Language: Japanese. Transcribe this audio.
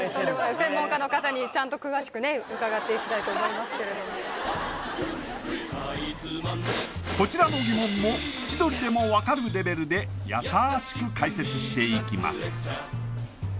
専門家の方にちゃんと詳しくね伺っていきたいと思いますけれどもこちらの疑問も千鳥でも分かるレベルでやさしく解説していきます